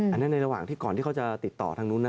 อันนี้ในระหว่างที่ก่อนที่เขาจะติดต่อทางนู้นนะ